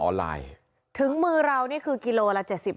ออนไลน์ถึงมือเรานี่คือกิโลหละเจ็ดสิบ